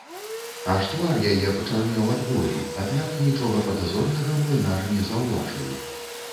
Аж твар яе пачарнеў ад болю, аднак нічога падазронага млынар не заўважыў.